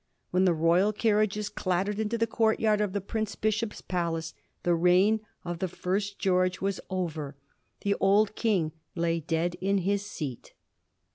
When the royal carriages clattered into the courtyard of the Prince Bishop's palace the reign of the first Greorge was over — ^the old King lay dead in his seat.